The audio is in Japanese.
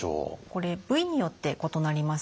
これ部位によって異なります。